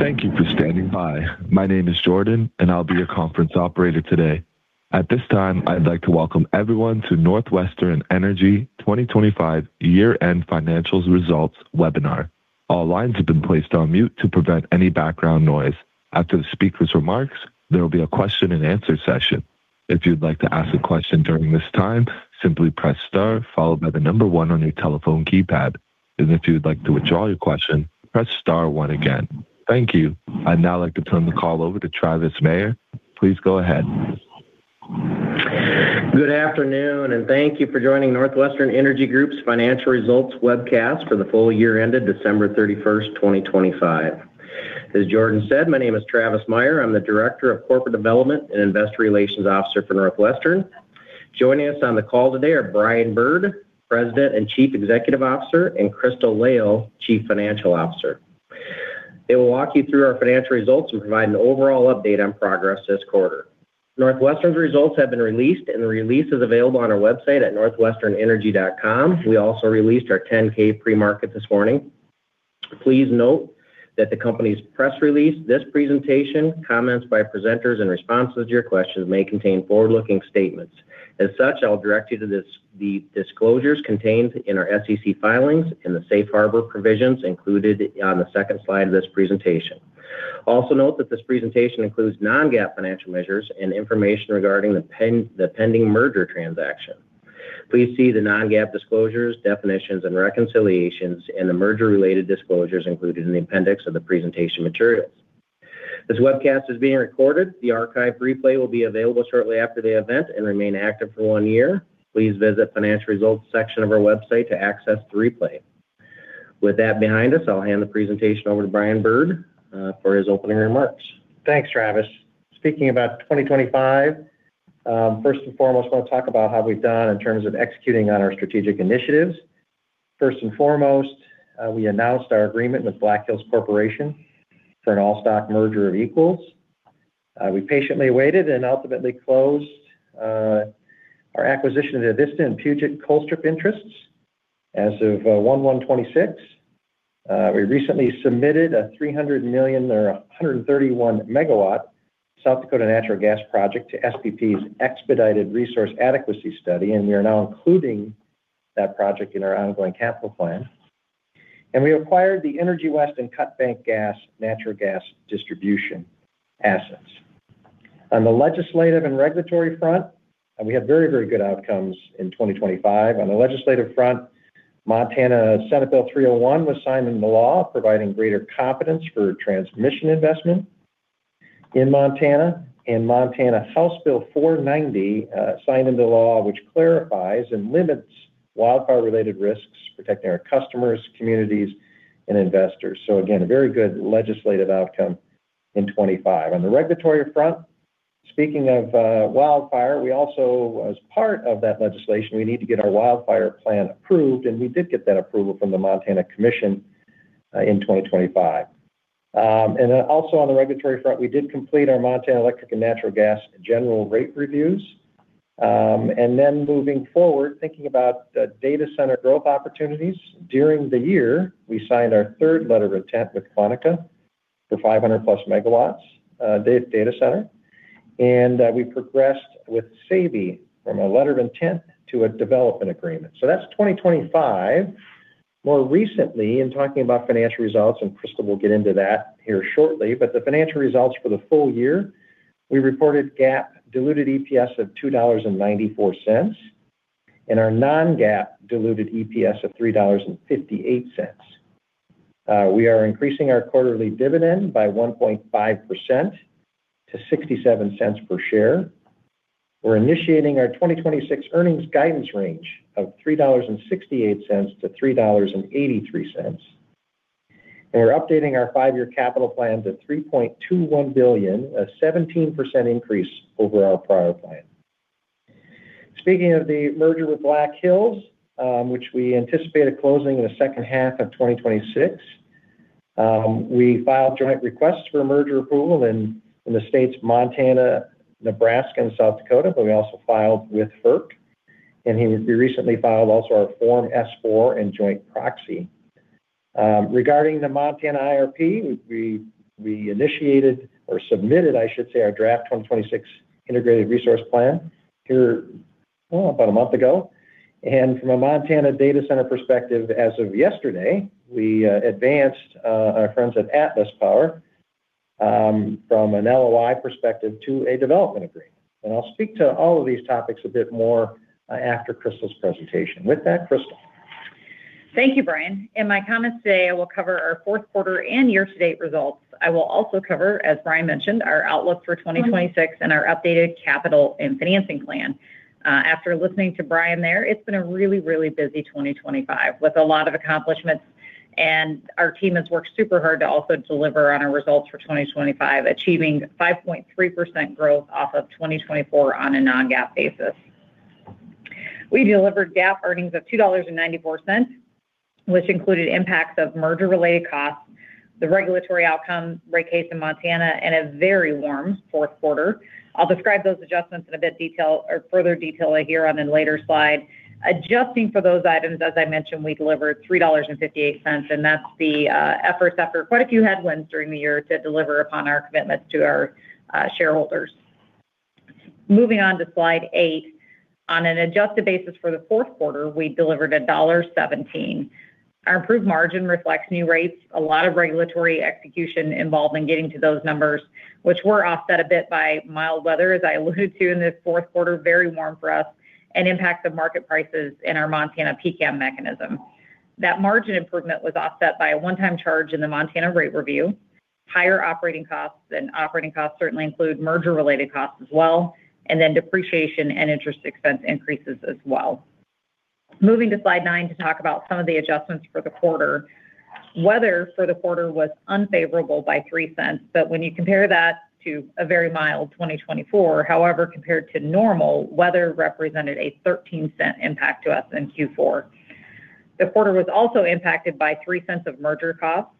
Thank you for standing by. My name is Jordan, and I'll be your conference operator today. At this time, I'd like to welcome everyone to NorthWestern Energy 2025 year-end financial results webinar. All lines have been placed on mute to prevent any background noise. After the speaker's remarks, there will be a question and answer session. If you'd like to ask a question during this time, simply press star followed by the number one on your telephone keypad. If you'd like to withdraw your question, press star one again. Thank you. I'd now like to turn the call over to Travis Meyer. Please go ahead. Good afternoon, and thank you for joining NorthWestern Energy Group's financial results webcast for the full-year ended December 31, 2025. As Jordan said, my name is Travis Meyer. I'm the Director of Corporate Development and Investor Relations Officer for NorthWestern. Joining us on the call today are Brian Bird, President and Chief Executive Officer, and Crystal Lail, Chief Financial Officer. They will walk you through our financial results and provide an overall update on progress this quarter. NorthWestern's results have been released, and the release is available on our website at northwesternenergy.com. We also released our 10-K pre-market this morning. Please note that the company's press release, this presentation, comments by presenters, and responses to your questions may contain forward-looking statements. As such, I'll direct you to the disclosures contained in our SEC filings and the Safe Harbor provisions included on the second slide of this presentation. Also note that this presentation includes non-GAAP financial measures and information regarding the pending merger transaction. Please see the non-GAAP disclosures, definitions and reconciliations, and the merger-related disclosures included in the appendix of the presentation materials. This webcast is being recorded. The archive replay will be available shortly after the event and remain active for one year. Please visit Financial Results section of our website to access the replay. With that behind us, I'll hand the presentation over to Brian Bird for his opening remarks. Thanks, Travis. Speaking about 2025, first and foremost, I want to talk about how we've done in terms of executing on our strategic initiatives. First and foremost, we announced our agreement with Black Hills Corporation for an all-stock merger of equals. We patiently waited and ultimately closed our acquisition of the Avista and Puget Colstrip interests as of 1/1/2026. We recently submitted a $300 million or 131 MW South Dakota natural gas project to SPP's Expedited Resource Adequacy Study, and we are now including that project in our ongoing capital plan. And we acquired the Energy West and Cut Bank Gas natural gas distribution assets. On the legislative and regulatory front, and we had very, very good outcomes in 2025. On the legislative front, Montana Senate Bill 301 was signed into law, providing greater confidence for transmission investment in Montana. In Montana, House Bill 490 signed into law, which clarifies and limits wildfire-related risks, protecting our customers, communities, and investors. So again, a very good legislative outcome in 2025. On the regulatory front, speaking of wildfire, we also, as part of that legislation, we need to get our wildfire plan approved, and we did get that approval from the Montana Commission in 2025. And then also on the regulatory front, we did complete our Montana Electric and Natural Gas general rate reviews. and then moving forward, thinking about the data center growth opportunities, during the year, we signed our third letter of intent with Moneta for 500+ MW data center, and we progressed with Sabey from a letter of intent to a development agreement. So that's 2025. More recently, in talking about financial results, and Crystal will get into that here shortly, but the financial results for the full-year, we reported GAAP diluted EPS of $2.94, and our non-GAAP diluted EPS of $3.58. We are increasing our quarterly dividend by 1.5% to $0.67 per share. We're initiating our 2026 earnings guidance range of $3.68-$3.83, and we're updating our five-year capital plans at $3.21 billion, a 17% increase over our prior plan. Speaking of the merger with Black Hills, which we anticipated closing in the second half of 2026, we filed joint requests for a merger approval in the states Montana, Nebraska, and South Dakota, but we also filed with FERC, and we recently filed also our Form S-4 and joint proxy. Regarding the Montana IRP, we initiated or submitted, I should say, our draft 2026 Integrated Resource Plan here about a month ago. And from a Montana data center perspective, as of yesterday, we advanced our friends at Atlas Power from an LOI perspective to a development agreement. I'll speak to all of these topics a bit more after Crystal's presentation. With that, Crystal. Thank you, Brian. In my comments today, I will cover our fourth quarter and year-to-date results. I will also cover, as Brian mentioned, our outlook for 2026 and our updated capital and financing plan. After listening to Brian there, it's been a really, really busy 2025, with a lot of accomplishments, and our team has worked super hard to also deliver on our results for 2025, achieving 5.3% growth off of 2024 on a non-GAAP basis. We delivered GAAP earnings of $2.94, which included impacts of merger-related costs, the regulatory outcome rate case in Montana, and a very warm fourth quarter. I'll describe those adjustments in a bit detail or further detail here on a later slide.... Adjusting for those items, as I mentioned, we delivered $3.58, and that's the efforts after quite a few headwinds during the year to deliver upon our commitments to our shareholders. Moving on to slide eight. On an adjusted basis for the fourth quarter, we delivered $1.17. Our improved margin reflects new rates, a lot of regulatory execution involved in getting to those numbers, which were offset a bit by mild weather, as I alluded to in this fourth quarter, very warm for us, and impacts of market prices in our Montana PCCAM mechanism. That margin improvement was offset by a one-time charge in the Montana rate review, higher operating costs, and operating costs certainly include merger-related costs as well, and then depreciation and interest expense increases as well. Moving to slide nine to talk about some of the adjustments for the quarter. Weather for the quarter was unfavorable by $0.03, but when you compare that to a very mild 2024, however, compared to normal, weather represented a $0.13 impact to us in Q4. The quarter was also impacted by $0.03 of merger costs.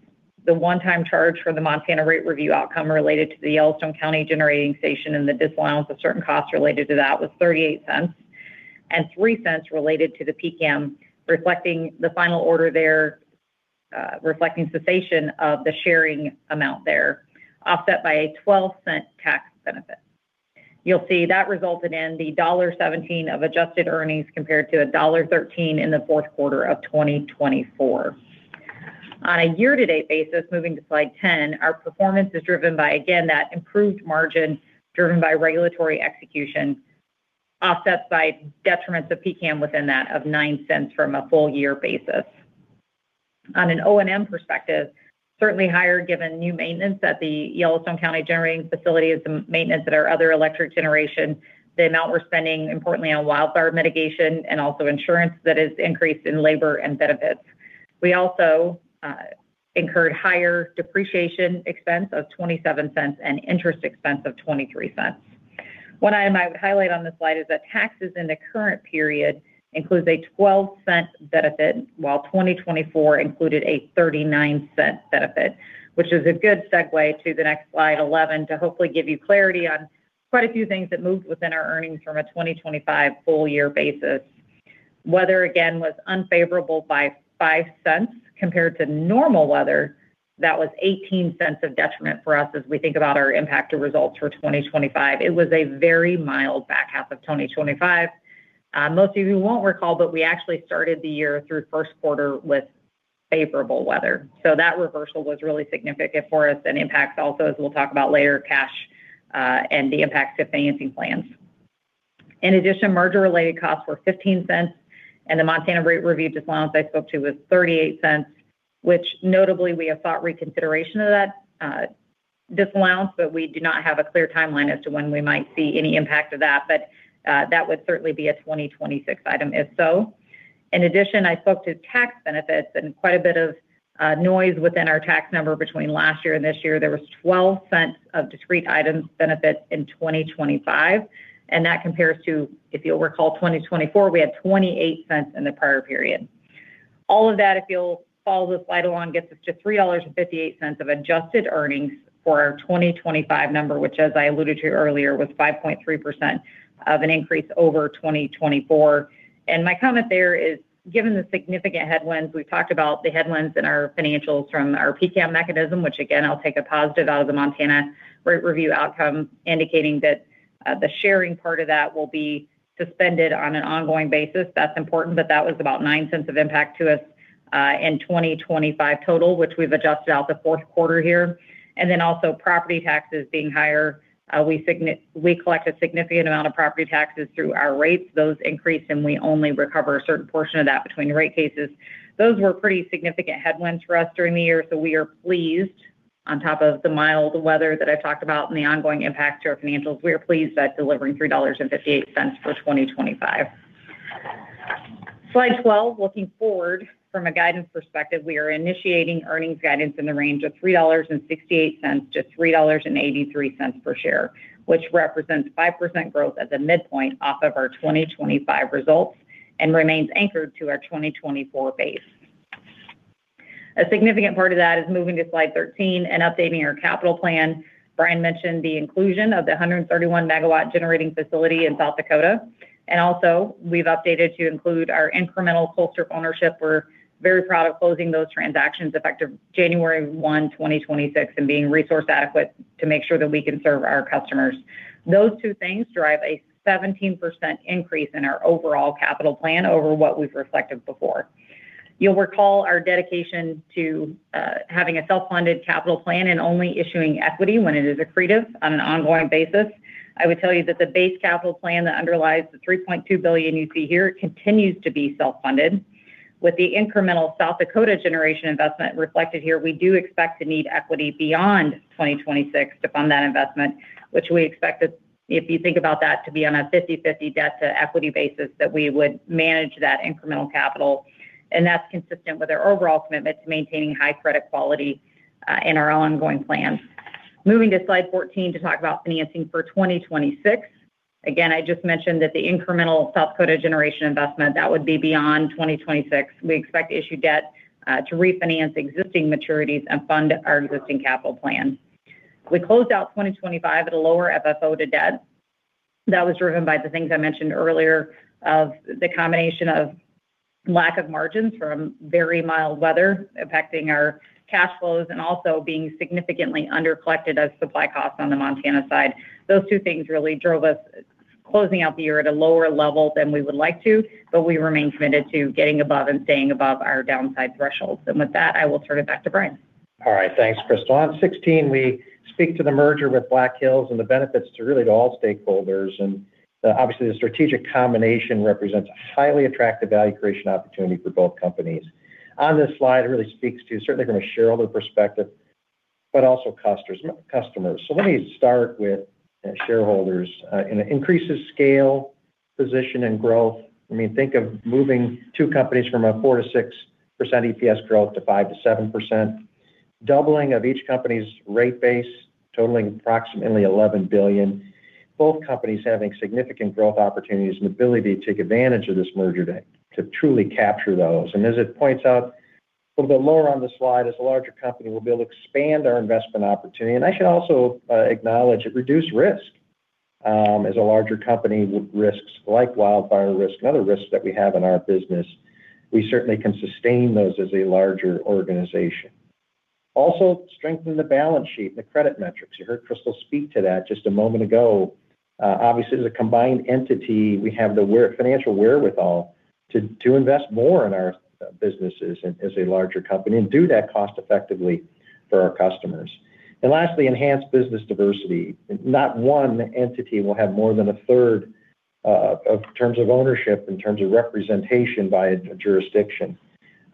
The one-time charge for the Montana rate review outcome related to the Yellowstone County Generating Station and the disallowance of certain costs related to that was $0.38, and $0.03 related to the PCCAM, reflecting the final order there, reflecting cessation of the sharing amount there, offset by a $0.12 tax benefit. You'll see that resulted in the $1.17 of adjusted earnings compared to a $1.13 in the fourth quarter of 2024. On a year-to-date basis, moving to slide 10, our performance is driven by, again, that improved margin, driven by regulatory execution, offset by detriments of PCCAM within that of $0.09 from a full-year basis. On an O&M perspective, certainly higher given new maintenance at the Yellowstone County generating facility and some maintenance at our other electric generation, the amount we're spending importantly on wildfire mitigation and also insurance that is increased in labor and benefits. We also incurred higher depreciation expense of $0.27 and interest expense of $0.23. One item I would highlight on this slide is that taxes in the current period includes a $0.12 benefit, while 2024 included a $0.39 benefit, which is a good segue to the next slide, 11, to hopefully give you clarity on quite a few things that moved within our earnings from a 2025 full-year basis. Weather, again, was unfavorable by $0.05 compared to normal weather. That was $0.18 of detriment for us as we think about our impact to results for 2025. It was a very mild back half of 2025. Most of you won't recall, but we actually started the year through first quarter with favorable weather. So that reversal was really significant for us and impacts also, as we'll talk about later, cash, and the impacts to financing plans. In addition, merger-related costs were $0.15, and the Montana rate review disallowance I spoke to was $0.38, which, notably, we have sought reconsideration of that disallowance, but we do not have a clear timeline as to when we might see any impact of that. But, that would certainly be a 2026 item, if so. In addition, I spoke to tax benefits and quite a bit of noise within our tax number between last year and this year. There was $0.12 of discrete items benefit in 2025, and that compares to, if you'll recall, 2024, we had $0.28 in the prior period. All of that, if you'll follow the slide along, gets us to $3.58 of adjusted earnings for our 2025 number, which, as I alluded to earlier, was 5.3% of an increase over 2024. My comment there is, given the significant headwinds, we've talked about the headwinds in our financials from our PCCAM mechanism, which again, I'll take a positive out of the Montana rate review outcome, indicating that the sharing part of that will be suspended on an ongoing basis. That's important, but that was about $0.09 of impact to us in 2025 total, which we've adjusted out the fourth quarter here. And then also, property taxes being higher, we collect a significant amount of property taxes through our rates. Those increase, and we only recover a certain portion of that between rate cases. Those were pretty significant headwinds for us during the year, so we are pleased on top of the mild weather that I talked about and the ongoing impact to our financials. We are pleased at delivering $3.58 for 2025. Slide 12, looking forward from a guidance perspective, we are initiating earnings guidance in the range of $3.68-$3.83 per share, which represents 5% growth at the midpoint off of our 2025 results and remains anchored to our 2024 base. A significant part of that is moving to slide 13 and updating our capital plan. Brian mentioned the inclusion of the 131 MW generating facility in South Dakota, and also we've updated to include our incremental Colstrip ownership. We're very proud of closing those transactions effective January 1, 2026, and being resource adequate to make sure that we can serve our customers. Those two things drive a 17% increase in our overall capital plan over what we've reflected before. You'll recall our dedication to having a self-funded capital plan and only issuing equity when it is accretive on an ongoing basis. I would tell you that the base capital plan that underlies the $3.2 billion you see here continues to be self-funded. With the incremental South Dakota generation investment reflected here, we do expect to need equity beyond 2026 to fund that investment, which we expect that, if you think about that, to be on a 50/50 debt-to-equity basis, that we would manage that incremental capital. And that's consistent with our overall commitment to maintaining high credit quality in our ongoing plans. Moving to slide 14 to talk about financing for 2026. Again, I just mentioned that the incremental South Dakota generation investment, that would be beyond 2026. We expect to issue debt to refinance existing maturities and fund our existing capital plan. We closed out 2025 at a lower FFO to Debt. That was driven by the things I mentioned earlier of the combination of lack of margins from very mild weather affecting our cash flows, and also being significantly under collected as supply costs on the Montana side. Those two things really drove us closing out the year at a lower level than we would like to, but we remain committed to getting above and staying above our downside thresholds. With that, I will turn it back to Brian. All right, thanks, Crystal. On 16, we speak to the merger with Black Hills and the benefits to really to all stakeholders. And obviously, the strategic combination represents a highly attractive value creation opportunity for both companies. On this slide, it really speaks to certainly from a shareholder perspective, but also customers. So let me start with shareholders, and it increases scale, position, and growth. I mean, think of moving two companies from a 4%-6% EPS growth to 5%-7%, doubling of each company's rate base, totaling approximately $11 billion. Both companies having significant growth opportunities and ability to take advantage of this merger to, to truly capture those. And as it points out, a little bit lower on the slide, as a larger company, we'll be able to expand our investment opportunity. And I should also acknowledge it reduced risk. As a larger company with risks like wildfire risk and other risks that we have in our business, we certainly can sustain those as a larger organization. Also, strengthen the balance sheet and the credit metrics. You heard Crystal speak to that just a moment ago. Obviously, as a combined entity, we have the financial wherewithal to invest more in our businesses as a larger company and do that cost effectively for our customers. And lastly, enhance business diversity. Not one entity will have more than a third of terms of ownership in terms of representation by a jurisdiction.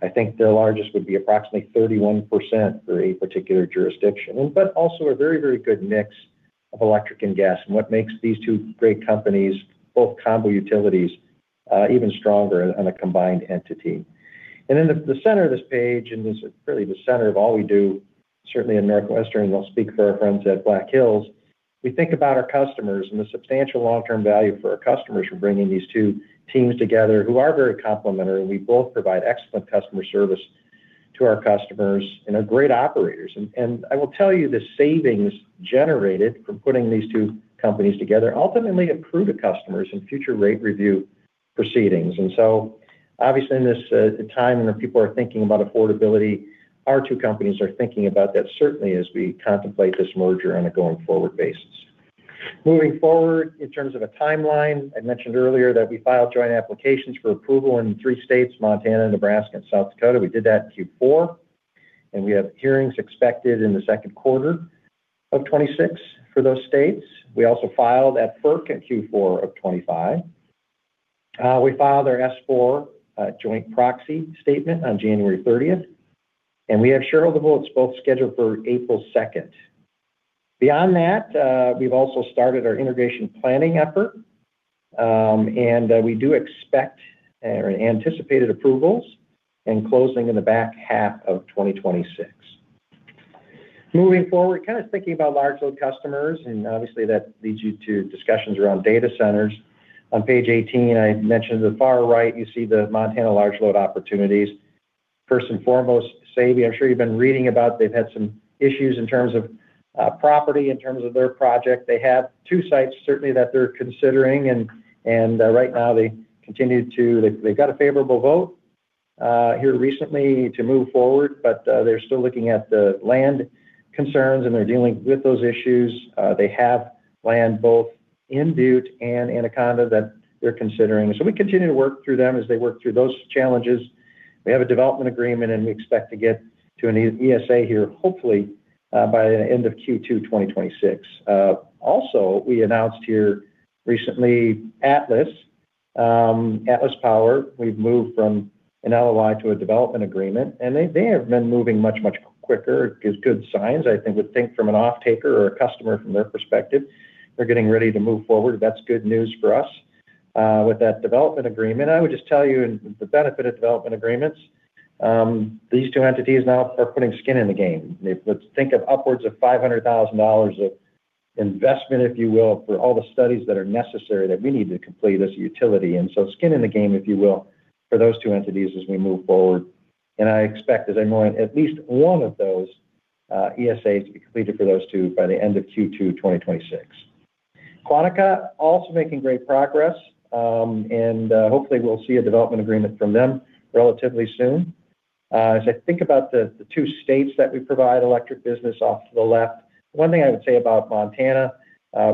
I think the largest would be approximately 31% for a particular jurisdiction, but also a very, very good mix of electric and gas, and what makes these two great companies, both combo utilities, even stronger on a combined entity. In the center of this page, and this is really the center of all we do, certainly in NorthWestern. We'll speak for our friends at Black Hills. We think about our customers and the substantial long-term value for our customers for bringing these two teams together, who are very complementary, and we both provide excellent customer service to our customers and are great operators. And I will tell you, the savings generated from putting these two companies together ultimately improve the customers in future rate review proceedings. So obviously, in this time when people are thinking about affordability, our two companies are thinking about that certainly as we contemplate this merger on a going-forward basis. Moving forward, in terms of a timeline, I mentioned earlier that we filed joint applications for approval in three states, Montana, Nebraska, and South Dakota. We did that in Q4, and we have hearings expected in the second quarter of 2026 for those states. We also filed at FERC in Q4 of 2025. We filed our S-4, joint proxy statement on January 30, and we have shareholder votes both scheduled for April 2. Beyond that, we've also started our integration planning effort, and we do expect or anticipated approvals and closing in the back half of 2026. Moving forward, kind of thinking about large load customers, and obviously, that leads you to discussions around data centers. On page 18, I mentioned the far right, you see the Montana large load opportunities. First and foremost, Sabey, I'm sure you've been reading about they've had some issues in terms of property, in terms of their project. They have two sites, certainly, that they're considering, and, and, right now they continue to... They, they got a favorable vote, here recently to move forward, but, they're still looking at the land concerns, and they're dealing with those issues. They have land both in Butte and Anaconda that they're considering. So we continue to work through them as they work through those challenges. We have a development agreement, and we expect to get to an ESA here, hopefully, by the end of Q2 2026. Also, we announced here recently, Atlas, Atlas Power. We've moved from an LOI to a development agreement, and they, they have been moving much, much quicker. It gives good signs, I think, would think from an offtaker or a customer from their perspective, they're getting ready to move forward. That's good news for us. With that development agreement, I would just tell you, and the benefit of development agreements, these two entities now are putting skin in the game. Let's think of upwards of $500,000 of investment, if you will, for all the studies that are necessary that we need to complete as a utility, and so skin in the game, if you will, for those two entities as we move forward. And I expect that I know at least one of those ESAs to be completed for those two by the end of Q2 2026. Quantica also making great progress, and, hopefully, we'll see a development agreement from them relatively soon. As I think about the two states that we provide electric business off to the left, one thing I would say about Montana,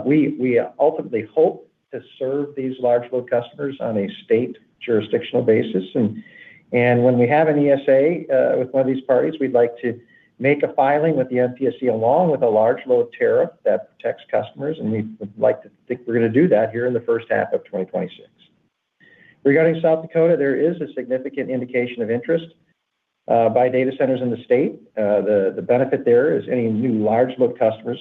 we ultimately hope to serve these large load customers on a state jurisdictional basis. And when we have an ESA with one of these parties, we'd like to make a filing with the MPSC, along with a large load tariff that protects customers, and we would like to think we're gonna do that here in the first half of 2026. Regarding South Dakota, there is a significant indication of interest by data centers in the state. The benefit there is any new large load customers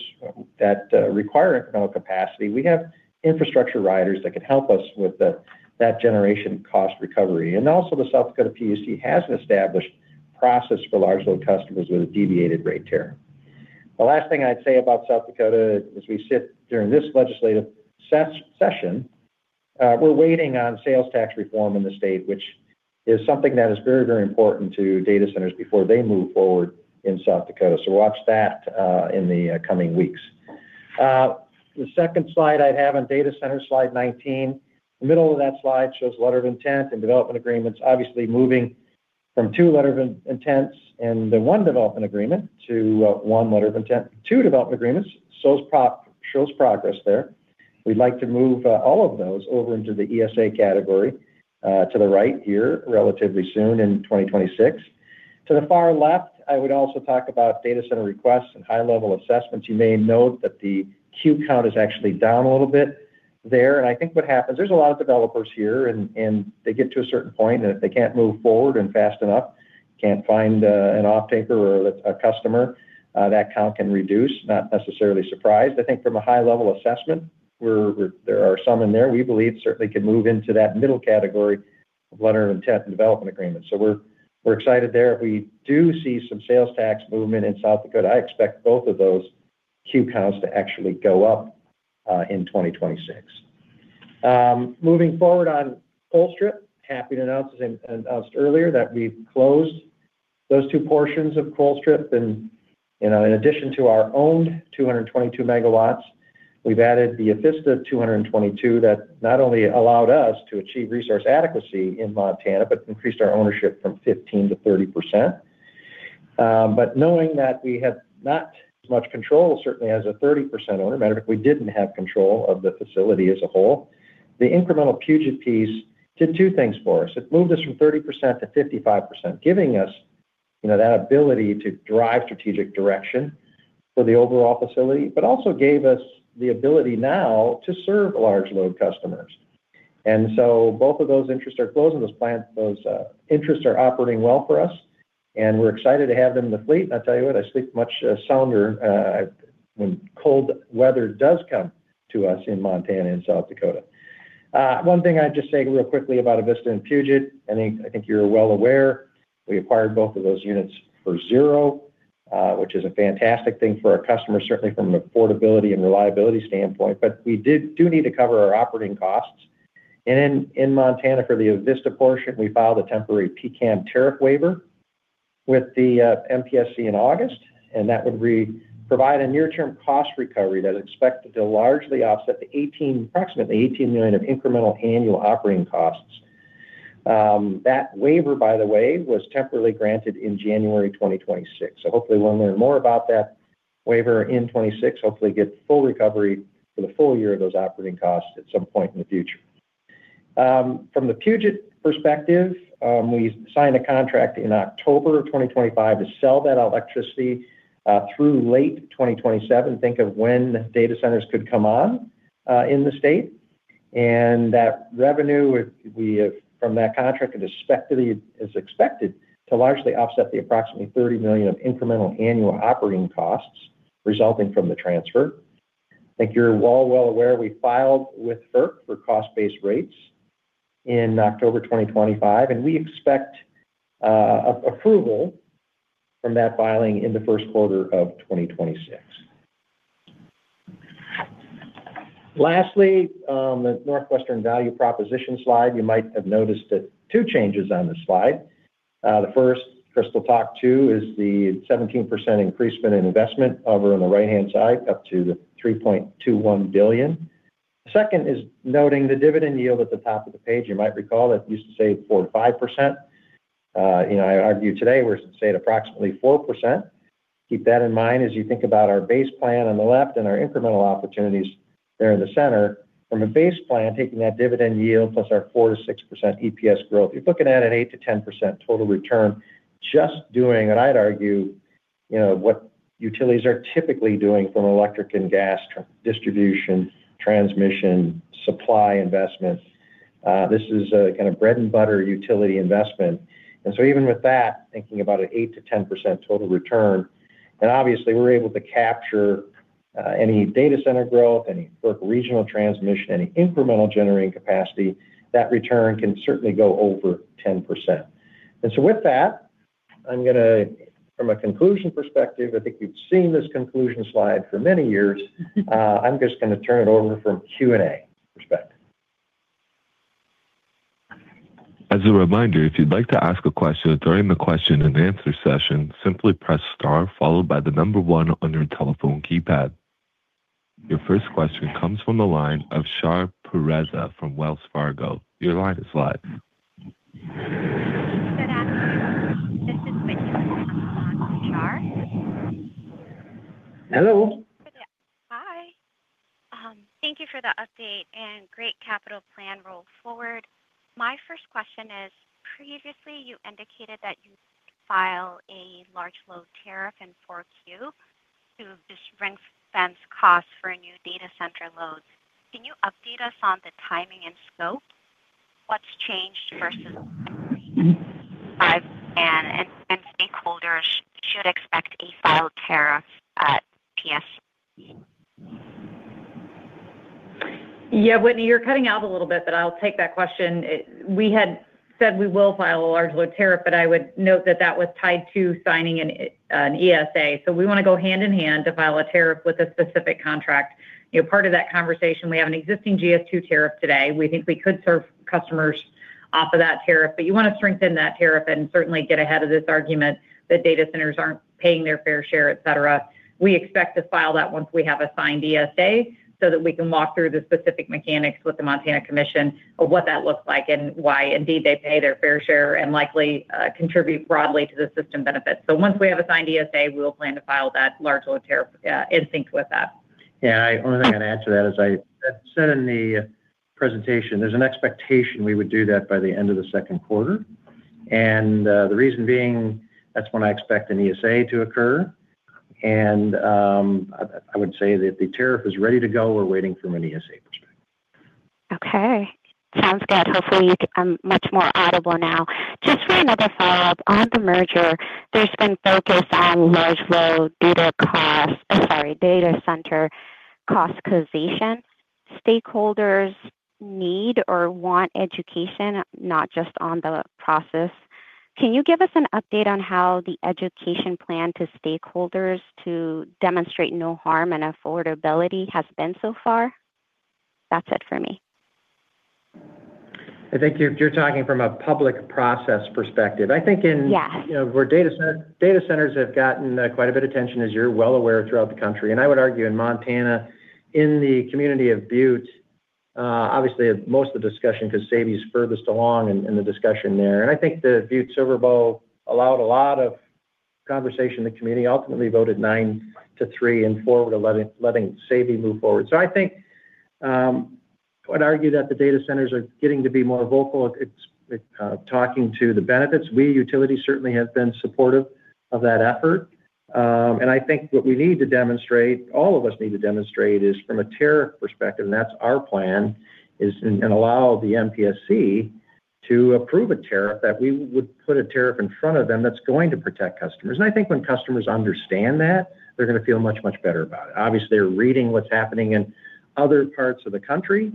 that require economic capacity. We have infrastructure riders that can help us with that generation cost recovery. Also the South Dakota PUC has an established process for large load customers with a deviated rate tariff. The last thing I'd say about South Dakota, as we sit during this legislative session... We're waiting on sales tax reform in the state, which is something that is very, very important to data centers before they move forward in South Dakota. So watch that in the coming weeks. The second slide I have on data center, slide 19. The middle of that slide shows letter of intent and development agreements, obviously moving from two letters of intent and the one development agreement to one letter of intent, two development agreements. Shows progress there. We'd like to move all of those over into the ESA category to the right here, relatively soon in 2026. To the far left, I would also talk about data center requests and high-level assessments. You may note that the queue count is actually down a little bit there. And I think what happens, there's a lot of developers here and they get to a certain point, and if they can't move forward and fast enough, can't find an offtaker or a customer, that count can reduce, not necessarily surprised. I think from a high level assessment, we're there are some in there we believe certainly could move into that middle category of letter of intent and development agreements. So we're excited there. If we do see some sales tax movement in South Dakota, I expect both of those queue counts to actually go up in 2026. Moving forward on Colstrip, happy to announce, as announced earlier, that we've closed those two portions of Colstrip. And, you know, in addition to our owned 222 MW, we've added the Avista 222 MW, that not only allowed us to achieve resource adequacy in Montana, but increased our ownership from 15 to 30%. But knowing that we have not much control, certainly as a 30% owner, matter of fact, we didn't have control of the facility as a whole. The incremental Puget piece did two things for us. It moved us from 30% to 55%, giving us, you know, that ability to drive strategic direction for the overall facility, but also gave us the ability now to serve large load customers. So both of those interests are closed, and those plants, those interests are operating well for us, and we're excited to have them in the fleet. I tell you what, I sleep much sounder when cold weather does come to us in Montana and South Dakota. One thing I'd just say real quickly about Avista and Puget, I think, I think you're well aware, we acquired both of those units for $0, which is a fantastic thing for our customers, certainly from an affordability and reliability standpoint. But we do need to cover our operating costs. And in Montana, for the Avista portion, we filed a temporary PCCAM tariff waiver with the MPSC in August, and that would provide a near-term cost recovery that is expected to largely offset the approximately $18 million of incremental annual operating costs. That waiver, by the way, was temporarily granted in January 2026. So hopefully we'll learn more about that waiver in 2026. Hopefully, get full recovery for the full-year of those operating costs at some point in the future. From the Puget perspective, we signed a contract in October 2025 to sell that electricity through late 2027. Think of when data centers could come on in the state. And that revenue, we, from that contract, is expected, is expected to largely offset the approximately $30 million of incremental annual operating costs resulting from the transfer. I think you're well aware, we filed with FERC for cost-based rates in October 2025, and we expect a approval from that filing in the first quarter of 2026. Lastly, the NorthWestern value proposition slide, you might have noticed that two changes on the slide. The first, Crystal talked to, is the 17% increase in investment over on the right-hand side, up to the $3.21 billion. The second is noting the dividend yield at the top of the page. You might recall that it used to say 4%-5%. You know, I argue today, we're at, say, approximately 4%. Keep that in mind as you think about our base plan on the left and our incremental opportunities there in the center. From a base plan, taking that dividend yield plus our 4%-6% EPS growth, you're looking at an 8%-10% total return, just doing... I'd argue, you know, what utilities are typically doing from electric and gas, distribution, transmission, supply investment, this is a kind of bread-and-butter utility investment. And so even with that, thinking about an 8%-10% total return, and obviously, we're able to capture any data center growth, any regional transmission, any incremental generating capacity, that return can certainly go over 10%. And so with that, I'm gonna, from a conclusion perspective, I think you've seen this conclusion slide for many years. I'm just gonna turn it over for Q&A perspective. As a reminder, if you'd like to ask a question during the question and answer session, simply press star followed by the number one on your telephone keypad. Your first question comes from the line of Shar Pourreza from Wells Fargo. Your line is live. Good afternoon. This is Whitney with Wells Fargo. Shar? Hello. Hi. Thank you for the update and great capital plan roll forward. My first question is, previously you indicated that you file a large load tariff in 4Q to dispense costs for a new data center loads. Can you update us on the timing and scope? What's changed versus, and stakeholders should expect a filed tariff at PSC? Yeah, Whitney, you're cutting out a little bit, but I'll take that question. We said we will file a large load tariff, but I would note that that was tied to signing an ESA. So we want to go hand in hand to file a tariff with a specific contract. You know, part of that conversation, we have an existing GS2 tariff today. We think we could serve customers off of that tariff, but you want to strengthen that tariff and certainly get ahead of this argument that data centers aren't paying their fair share, et cetera. We expect to file that once we have a signed ESA, so that we can walk through the specific mechanics with the Montana Commission of what that looks like and why indeed they pay their fair share and likely contribute broadly to the system benefits. So once we have a signed ESA, we will plan to file that large load tariff, in sync with that. Yeah, only thing I'd add to that is as said in the presentation, there's an expectation we would do that by the end of the second quarter. And the reason being, that's when I expect an ESA to occur. And I would say that the tariff is ready to go. We're waiting from an ESA perspective. Okay. Sounds good. Hopefully, you, I'm much more audible now. Just for another follow-up, on the merger, there's been focus on large load data cost, data center cost causation. Stakeholders need or want education, not just on the process. Can you give us an update on how the education plan to stakeholders to demonstrate no harm and affordability has been so far? That's it for me. I think you're talking from a public process perspective. I think in- Yeah. You know, where data center— Data centers have gotten quite a bit of attention, as you're well aware, throughout the country, and I would argue in Montana, in the community of Butte, obviously, most of the discussion, because Sabey's furthest along in the discussion there. And I think the Butte-Silver Bow allowed a lot of conversation. The community ultimately voted 9-3 in favor of letting Sabey move forward. So I think I'd argue that the data centers are getting to be more vocal. It's talking to the benefits. We utility certainly have been supportive of that effort. And I think what we need to demonstrate, all of us need to demonstrate, is from a tariff perspective, and that's our plan, is to allow the MPSC to approve a tariff that we would put in front of them that's going to protect customers. And I think when customers understand that, they're going to feel much, much better about it. Obviously, they're reading what's happening in other parts of the country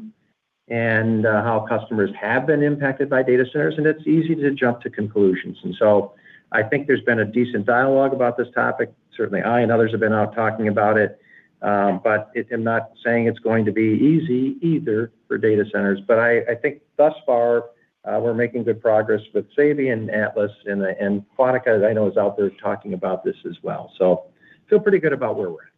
and how customers have been impacted by data centers, and it's easy to jump to conclusions. And so I think there's been a decent dialogue about this topic. Certainly, I and others have been out talking about it, but I'm not saying it's going to be easy either for data centers. But I, I think thus far, we're making good progress with Sabey and Atlas, and, and Quantica, I know, is out there talking about this as well. So feel pretty good about where we're at.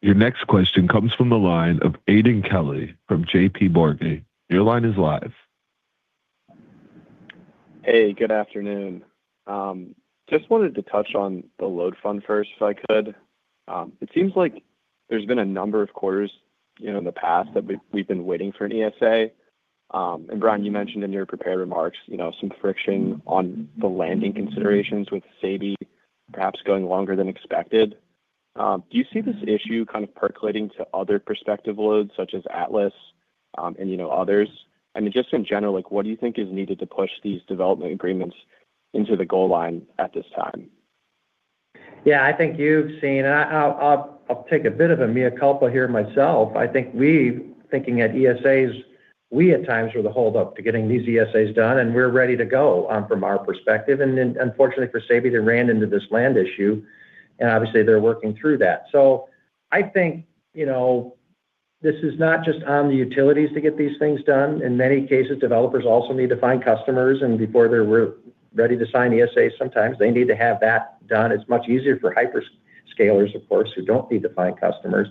Your next question comes from the line of Aidan Kelly from JPMorgan. Your line is live. Hey, good afternoon. Just wanted to touch on the load front first, if I could. It seems like there's been a number of quarters, you know, in the past that we've been waiting for an ESA. And Brian, you mentioned in your prepared remarks, you know, some friction on the landing considerations with Sabey perhaps going longer than expected. Do you see this issue kind of percolating to other prospective loads, such as Atlas, and you know, others? I mean, just in general, like, what do you think is needed to push these development agreements into the goal line at this time? Yeah, I think you've seen... I'll take a bit of a mea culpa here myself. I think we, thinking at ESAs, we at times were the hold up to getting these ESAs done, and we're ready to go from our perspective. And then, unfortunately for Sabey, they ran into this land issue, and obviously they're working through that. So I think, you know, this is not just on the utilities to get these things done. In many cases, developers also need to find customers, and before they're ready to sign ESAs, sometimes they need to have that done. It's much easier for hyperscalers, of course, who don't need to find customers.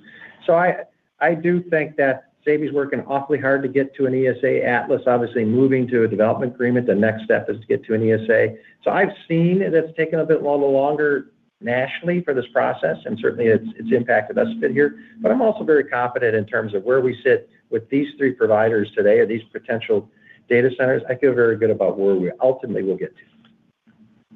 So I do think that Sabey's working awfully hard to get to an ESA. Atlas, obviously moving to a development agreement. The next step is to get to an ESA. So I've seen that it's taken a bit while longer nationally for this process, and certainly it's impacted us a bit here. But I'm also very confident in terms of where we sit with these three providers today or these potential data centers. I feel very good about where we ultimately will get to.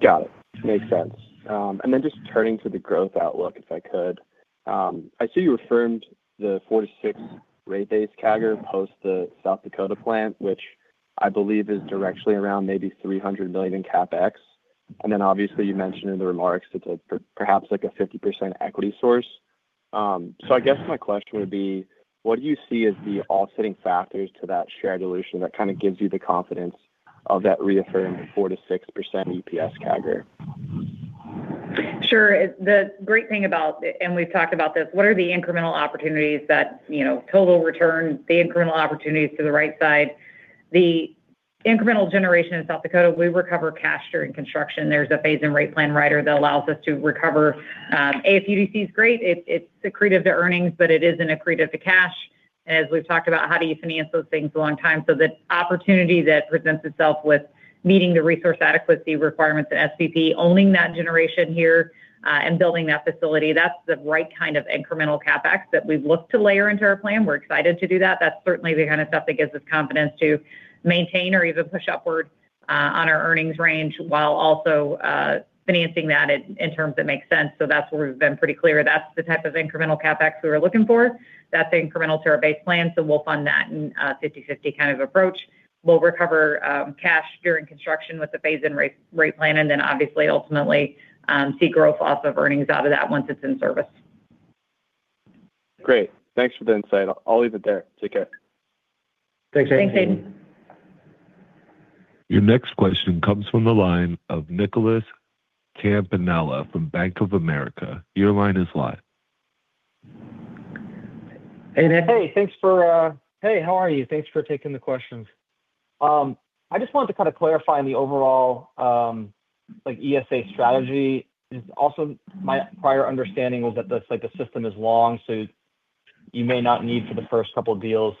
Got it. Makes sense. And then just turning to the growth outlook, if I could. I see you affirmed the four to six rate base CAGR post the South Dakota plant, which I believe is directly around maybe $300 million in CapEx. And then obviously, you mentioned in the remarks, it's a perhaps like a 50% equity source. So I guess my question would be: What do you see as the offsetting factors to that share dilution that kind of gives you the confidence of that reaffirming the 4%-6% EPS CAGR? Sure. The great thing about—and we've talked about this, what are the incremental opportunities that, you know, total return, the incremental opportunities to the right side. The incremental generation in South Dakota, we recover cash during construction. There's a phase-in rate plan rider that allows us to recover. AFUDC is great. It's, it's accretive to earnings, but it isn't accretive to cash. As we've talked about, how do you finance those things over time? So the opportunity that presents itself with meeting the resource adequacy requirements at SPP, owning that generation here, and building that facility, that's the right kind of incremental CapEx that we've looked to layer into our plan. We're excited to do that. That's certainly the kind of stuff that gives us confidence to maintain or even push upward on our earnings range while also financing that in terms that makes sense. So that's where we've been pretty clear. That's the type of incremental CapEx we're looking for. That's the incremental to our base plan, so we'll fund that in a 50/50 kind of approach. We'll recover cash during construction with the phase-in rate plan, and then obviously, ultimately, see growth off of earnings out of that once it's in service.... Great. Thanks for the insight. I'll leave it there. Take care. Thanks, Aidan. Your next question comes from the line of Nicholas Campanella from Bank of America. Your line is live. Hey, Nick. Hey, thanks for... Hey, how are you? Thanks for taking the questions. I just wanted to kind of clarify on the overall, like, ESA strategy. And also my prior understanding was that this, like, the system is long, so you may not need for the first couple of deals,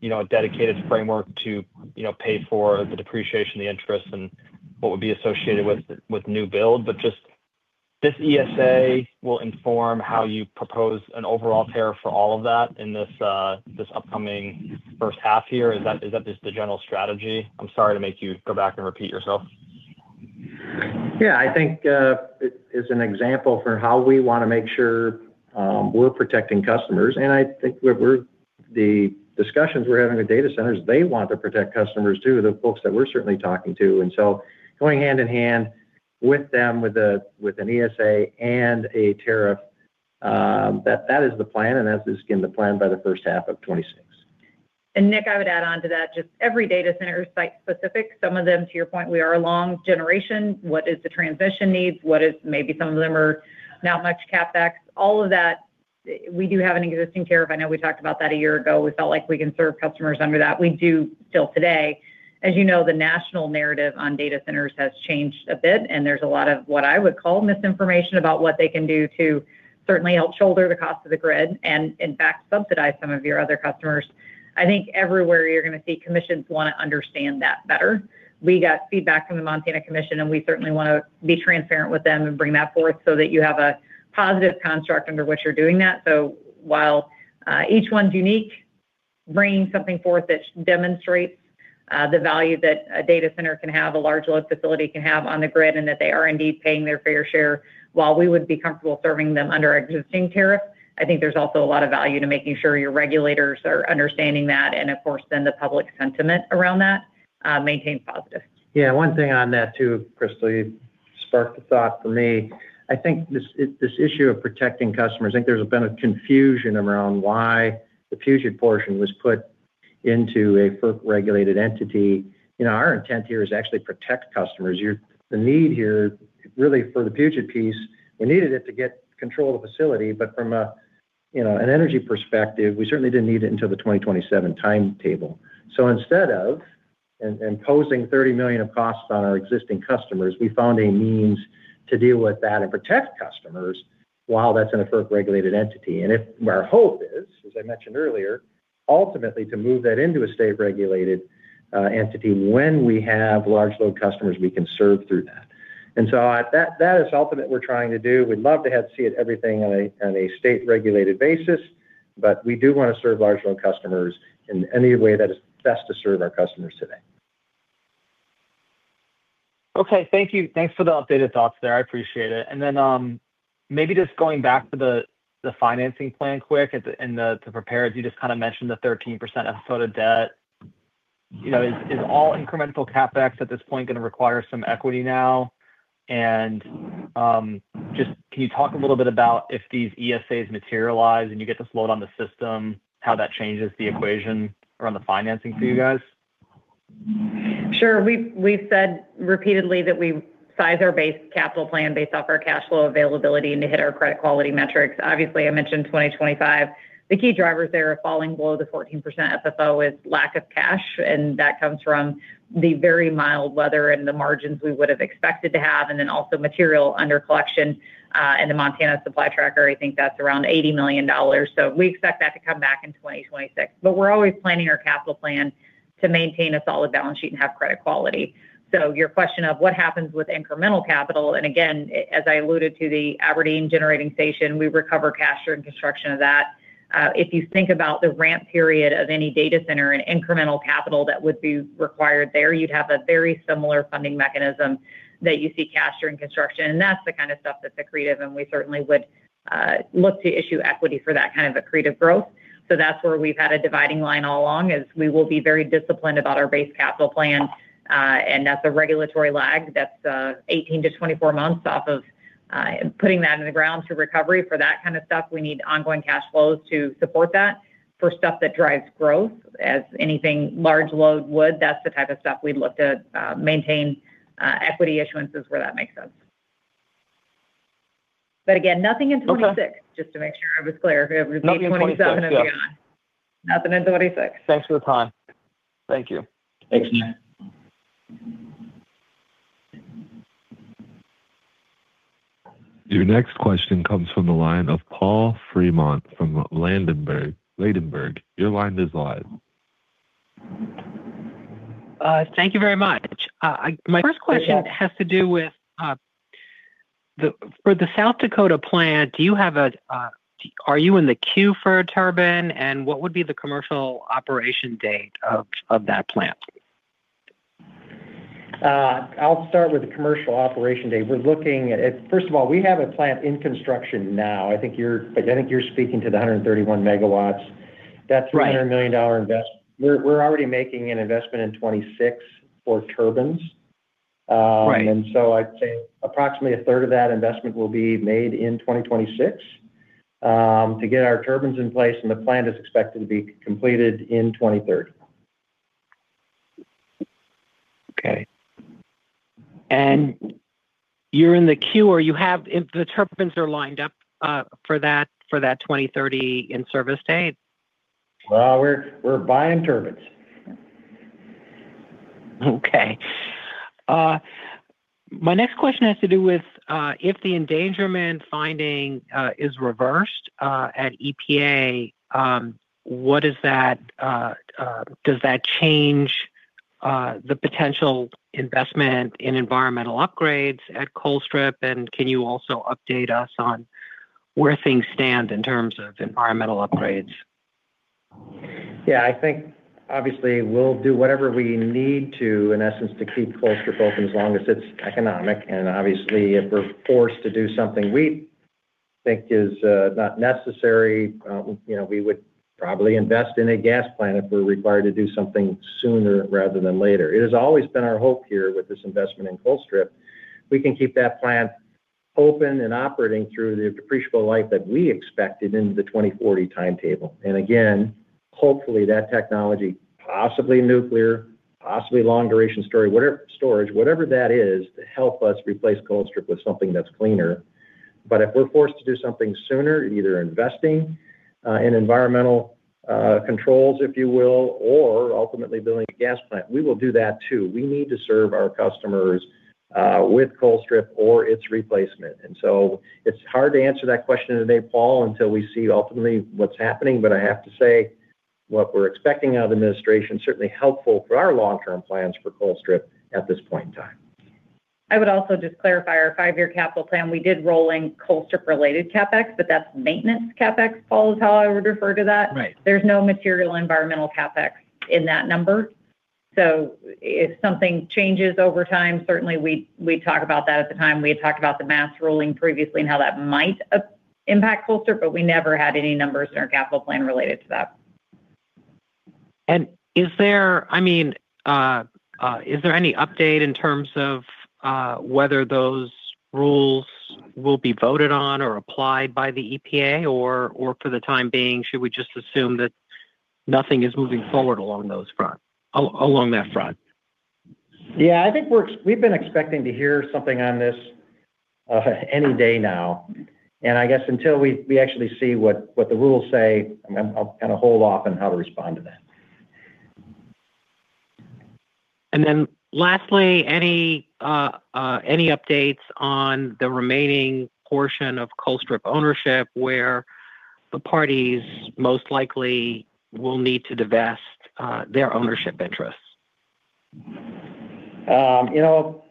you know, a dedicated framework to, you know, pay for the depreciation, the interest, and what would be associated with, with new build. But just this ESA will inform how you propose an overall tariff for all of that in this, this upcoming first half here. Is that, is that just the general strategy? I'm sorry to make you go back and repeat yourself. Yeah, I think it is an example for how we want to make sure we're protecting customers. And I think we're the discussions we're having with data centers, they want to protect customers, too, the folks that we're certainly talking to. And so going hand in hand with them, with a, with an ESA and a tariff, that is the plan, and that is, again, the plan by the first half of 2026. And, Nick, I would add on to that, just every data center is site-specific. Some of them, to your point, we're long on generation. What are the transmission needs? What is... Maybe some of them are not much CapEx. All of that, we do have an existing tariff. I know we talked about that a year ago. We felt like we can serve customers under that. We do still today. As you know, the national narrative on data centers has changed a bit, and there's a lot of, what I would call, misinformation about what they can do to certainly help shoulder the cost of the grid and, in fact, subsidize some of your other customers. I think everywhere you're going to see commissions want to understand that better. We got feedback from the Montana Commission, and we certainly want to be transparent with them and bring that forward so that you have a positive construct under which you're doing that. So while each one's unique, bringing something forth that demonstrates the value that a data center can have, a large load facility can have on the grid, and that they are indeed paying their fair share, while we would be comfortable serving them under existing tariffs, I think there's also a lot of value to making sure your regulators are understanding that, and of course, then the public sentiment around that maintains positive. Yeah, one thing on that, too, Crystal, you sparked a thought for me. I think this, this issue of protecting customers, I think there's been a confusion around why the Puget portion was put into a FERC-regulated entity. You know, our intent here is to actually protect customers. The need here, really for the Puget piece, we needed it to get control of the facility, but from a, you know, an energy perspective, we certainly didn't need it until the 2027 timetable. So instead of imposing $30 million of costs on our existing customers, we found a means to deal with that and protect customers while that's in a FERC-regulated entity. Our hope is, as I mentioned earlier, ultimately, to move that into a state-regulated entity when we have large load customers we can serve through that. And so, that is ultimately what we're trying to do. We'd love to see everything on a state-regulated basis, but we do want to serve large load customers in any way that is best to serve our customers today. Okay, thank you. Thanks for the updated thoughts there. I appreciate it. And then, maybe just going back to the financing plan quick, at the, and the to prepare, as you just kind of mentioned, the 13% of sort of debt. You know, is all incremental CapEx at this point going to require some equity now? And, just can you talk a little bit about if these ESAs materialize and you get this load on the system, how that changes the equation around the financing for you guys? Sure. We've said repeatedly that we size our base capital plan based off our cash flow availability and to hit our credit quality metrics. Obviously, I mentioned 2025. The key drivers there are falling below the 14% FFO is lack of cash, and that comes from the very mild weather and the margins we would have expected to have, and then also material under collection, and the Montana supply tracker, I think that's around $80 million. So we expect that to come back in 2026. But we're always planning our capital plan to maintain a solid balance sheet and have credit quality. So your question of what happens with incremental capital, and again, as I alluded to the Aberdeen Generating Station, we recover cash during construction of that. If you think about the ramp period of any data center and incremental capital that would be required there, you'd have a very similar funding mechanism that you see cash during construction. And that's the kind of stuff that's accretive, and we certainly would look to issue equity for that kind of accretive growth. So that's where we've had a dividing line all along, is we will be very disciplined about our base capital plan, and that's a regulatory lag. That's 18-24 months off of putting that in the ground to recovery. For that kind of stuff, we need ongoing cash flows to support that. For stuff that drives growth, as anything large load would, that's the type of stuff we'd look to maintain equity issuances where that makes sense. But again, nothing in 2026. Okay. Just to make sure I was clear. It would be 2027 and beyond. Nothing in 2026, yeah. Nothing in 2026. Thanks for the time. Thank you. Thanks, Nick. Your next question comes from the line of Paul Fremont from Ladenburg Thalmann. Your line is live. Thank you very much. My first question has to do with the South Dakota plant. Do you have a—are you in the queue for a turbine, and what would be the commercial operation date of that plant? I'll start with the commercial operation date. We're looking at... First of all, we have a plant in construction now. I think you're speaking to the 131 MW. Right. That's a $100 million investment. We're already making an investment in 2026 for turbines. And so I'd say approximately a third of that investment will be made in 2026, to get our turbines in place, and the plant is expected to be completed in 2030. Okay. And you're in the queue, or you have, if the turbines are lined up, for that, for that 2030 in-service date? Well, we're buying turbines. Okay. My next question has to do with, if the endangerment finding is reversed at EPA, does that change the potential investment in environmental upgrades at Colstrip? And can you also update us on where things stand in terms of environmental upgrades? Yeah, I think obviously we'll do whatever we need to, in essence, to keep Colstrip open as long as it's economic. And obviously, if we're forced to do something we think is not necessary, you know, we would probably invest in a gas plant if we're required to do something sooner rather than later. It has always been our hope here with this investment in Colstrip, we can keep that plant open and operating through the depreciable life that we expected into the 2040 timetable. And again, hopefully, that technology, possibly nuclear, possibly long-duration storage, whatever, storage, whatever that is, to help us replace Colstrip with something that's cleaner. But if we're forced to do something sooner, either investing in environmental controls, if you will, or ultimately building a gas plant, we will do that too. We need to serve our customers with Colstrip or its replacement. And so it's hard to answer that question today, Paul, until we see ultimately what's happening. But I have to say, what we're expecting out of the administration, certainly helpful for our long-term plans for Colstrip at this point in time. I would also just clarify our five-year capital plan. We did roll in Colstrip-related CapEx, but that's maintenance CapEx, Paul, is how I would refer to that. Right. There's no material environmental CapEx in that number. So if something changes over time, certainly we talk about that at the time. We had talked about the MATS ruling previously and how that might impact Colstrip, but we never had any numbers in our capital plan related to that. Is there, I mean, any update in terms of whether those rules will be voted on or applied by the EPA? Or, for the time being, should we just assume that nothing is moving forward along that front? Yeah, I think we've been expecting to hear something on this, any day now. And I guess until we actually see what the rules say, I'm gonna hold off on how to respond to that. And then lastly, any updates on the remaining portion of Colstrip ownership, where the parties most likely will need to divest their ownership interests? You know,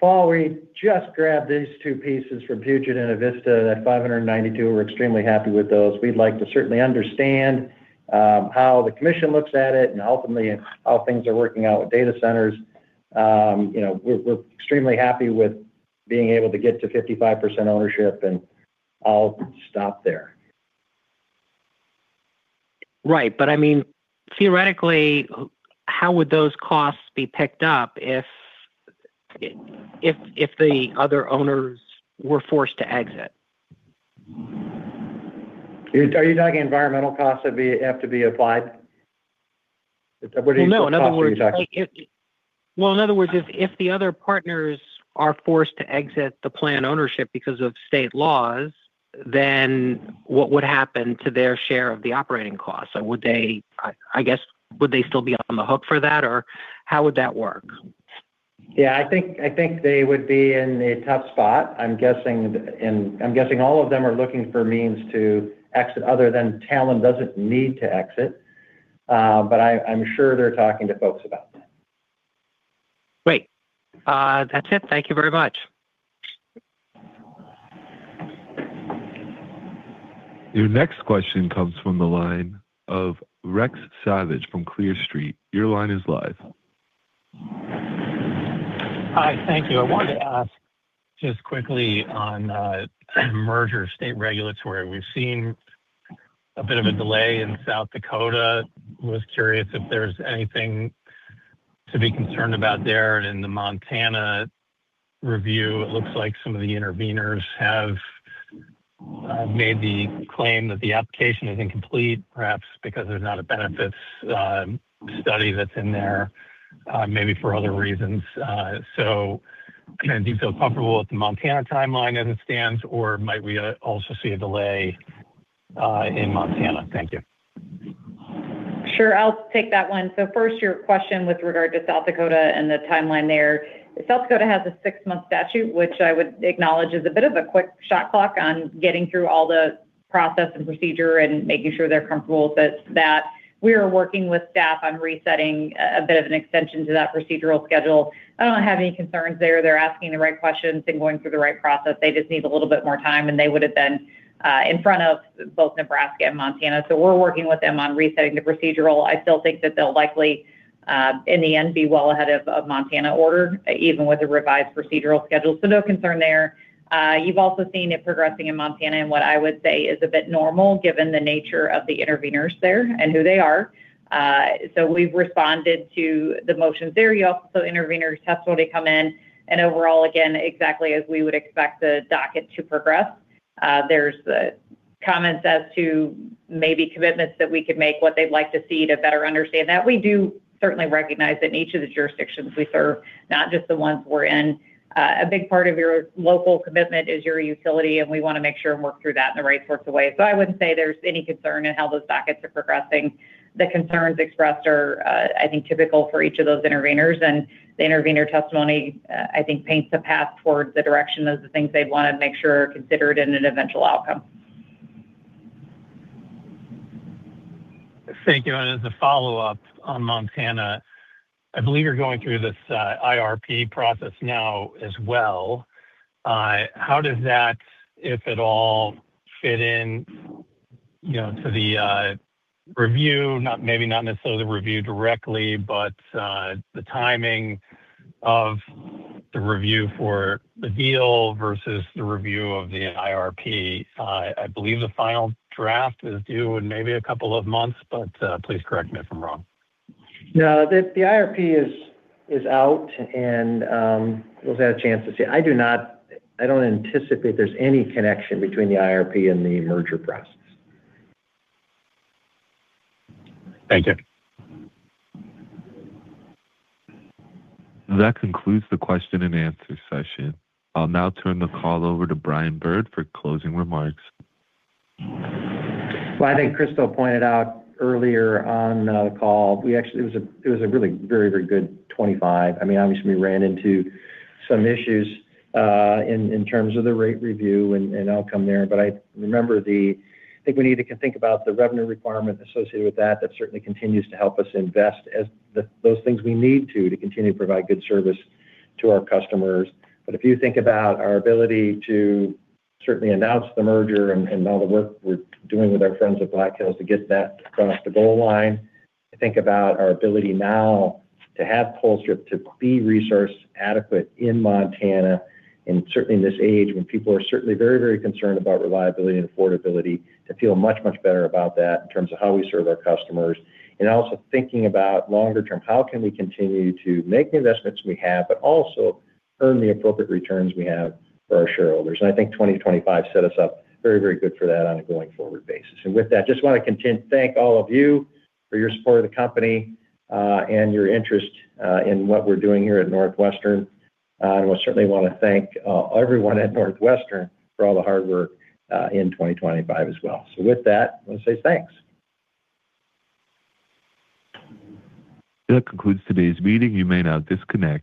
Paul, we just grabbed these two pieces from Puget and Avista, that 592, we're extremely happy with those. We'd like to certainly understand how the commission looks at it and ultimately how things are working out with data centers. You know, we're, we're extremely happy with being able to get to 55% ownership, and I'll stop there. Right. But, I mean, theoretically, how would those costs be picked up if the other owners were forced to exit? Are you talking environmental costs that have to be applied? What other costs are you talking about? Well, in other words, if the other partners are forced to exit the plant ownership because of state laws, then what would happen to their share of the operating costs? So would they, I guess, still be on the hook for that, or how would that work? Yeah, I think they would be in a tough spot. I'm guessing, and I'm guessing all of them are looking for means to exit other than Talen doesn't need to exit. But I'm sure they're talking to folks about that. Great. That's it. Thank you very much. Your next question comes from the line of Rex Savage from Clear Street. Your line is live. Hi, thank you. I wanted to ask just quickly on merger state regulatory. We've seen a bit of a delay in South Dakota. Was curious if there's anything to be concerned about there. In the Montana review, it looks like some of the intervenors have made the claim that the application is incomplete, perhaps because there's not a benefits study that's in there, maybe for other reasons. So, I mean, do you feel comfortable with the Montana timeline as it stands, or might we also see a delay in Montana? Thank you. Sure. I'll take that one. So first, your question with regard to South Dakota and the timeline there. South Dakota has a six-month statute, which I would acknowledge is a bit of a quick shot clock on getting through all the process and procedure and making sure they're comfortable with that. We are working with staff on resetting a bit of an extension to that procedural schedule. I don't have any concerns there. They're asking the right questions and going through the right process. They just need a little bit more time, and they would have been in front of both Nebraska and Montana. So we're working with them on resetting the procedural. I still think that they'll likely in the end be well ahead of Montana order, even with the revised procedural schedule. So no concern there. You've also seen it progressing in Montana, and what I would say is a bit normal, given the nature of the intervenors there and who they are. So we've responded to the motions there. You also have intervenors testimony come in, and overall, again, exactly as we would expect the docket to progress.... There's the comments as to maybe commitments that we could make, what they'd like to see to better understand that. We do certainly recognize that in each of the jurisdictions we serve, not just the ones we're in. A big part of your local commitment is your utility, and we want to make sure and work through that in the right sorts of ways. So I wouldn't say there's any concern in how those dockets are progressing. The concerns expressed are, I think, typical for each of those intervenors, and the intervenor testimony, I think, paints a path towards the direction of the things they'd want to make sure are considered in an eventual outcome. Thank you. As a follow-up on Montana, I believe you're going through this IRP process now as well. How does that, if at all, fit in, you know, to the review? Not maybe not necessarily the review directly, but the timing of the review for the deal versus the review of the IRP. I believe the final draft is due in maybe a couple of months, but please correct me if I'm wrong. No, the IRP is out, and we've had a chance to see. I don't anticipate there's any connection between the IRP and the merger process. Thank you. That concludes the question and answer session. I'll now turn the call over to Brian Bird for closing remarks. Well, I think Crystal pointed out earlier on the call, we actually... It was a really very, very good 2025. I mean, obviously, we ran into some issues in terms of the rate review and outcome there. But I remember the... I think we need to think about the revenue requirement associated with that. That certainly continues to help us invest in the things we need to continue to provide good service to our customers. But if you think about our ability to certainly announce the merger and all the work we're doing with our friends at Black Hills to get that across the goal line, think about our ability now to have Colstrip to be resource adequate in Montana, and certainly in this age, when people are certainly very, very concerned about reliability and affordability, to feel much, much better about that in terms of how we serve our customers. And also thinking about longer term, how can we continue to make the investments we have, but also earn the appropriate returns we have for our shareholders? And I think 2025 set us up very, very good for that on a going-forward basis. And with that, just want to thank all of you for your support of the company, and your interest, in what we're doing here at NorthWestern. And we certainly want to thank everyone at NorthWestern for all the hard work, in 2025 as well. So with that, I want to say thanks. That concludes today's meeting. You may now disconnect.